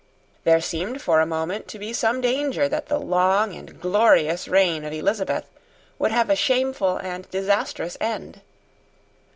There seemed for a moment to be some danger that the long and glorious reign of Elizabeth would have a shameful and disastrous end.